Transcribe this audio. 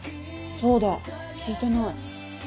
そうだ聞いてない。